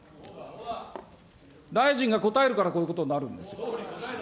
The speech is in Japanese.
大臣が答えるから、こういうことになるんですよ。